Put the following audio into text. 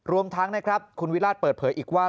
รวมทั้งนะครับคุณวิราชเปิดเผยอีกว่า